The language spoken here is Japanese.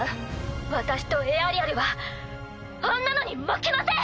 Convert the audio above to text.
私とエアリアルはあんなのに負けません！